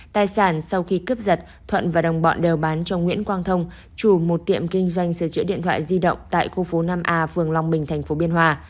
tài sản sau khi cướp giật thuận và đồng bọn đều bán cho nguyễn quang thông chủ một tiệm kinh doanh sửa chữa điện thoại di động tại khu phố năm a phường long bình tp biên hòa